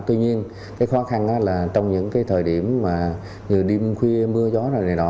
tuy nhiên cái khó khăn là trong những cái thời điểm mà như đêm khuya mưa gió này nọ